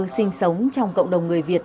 sinh sống trong cộng đồng người việt